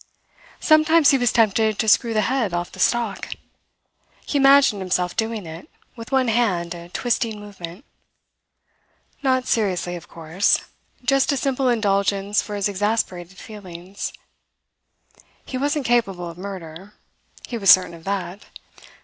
Sometimes he was tempted to screw the head off the stalk. He imagined himself doing it with one hand, a twisting movement. Not seriously, of course. Just a simple indulgence for his exasperated feelings. He wasn't capable of murder. He was certain of that.